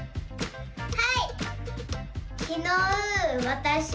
はい！